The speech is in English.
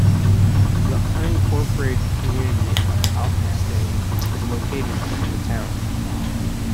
The unincorporated community of Athelstane is located in the town.